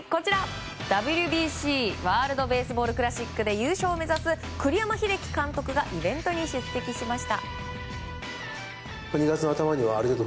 ＷＢＣ・ワールド・ベースボール・クラシックで優勝を目指す栗山英樹監督がイベントに出席しました。